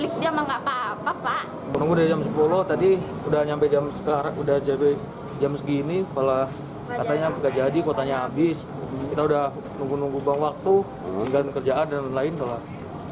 kita sudah menunggu nunggu bang waktu hingga kerjaan dan lain lain